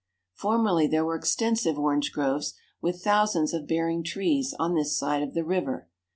Formerly there were extensive orange groves, with thousands of bearing trees, on this side of the river.